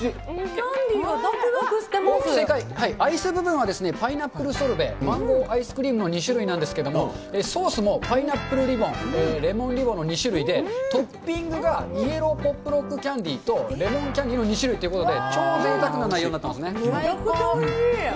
キャンディーがざくざくして正解、アイス部分はパイナップルソルベ、マンゴーアイスクリームの２種類なんですが、ソースもパイナップルリボン、レモンリボンの２種類で、トッピングがイエローポップロックキャンディとレモンキャンディの２種類ということで、超ぜいたくな内容になってますね。